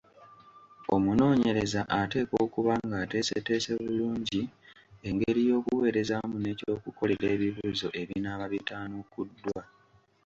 Omunoonyereza ateekwa okuba ng’ateeseteese bulungi engeri y’okuweerezaamu n’ekyokukolera ebibuuzo ebinaaba bitaanukuddwa.